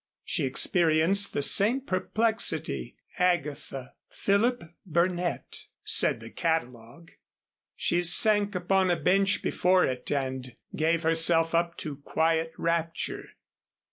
She experienced the same perplexity "Agatha Philip Burnett," said the catalogue. She sank upon a bench before it and gave herself up to quiet rapture.